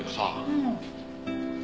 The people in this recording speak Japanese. うん。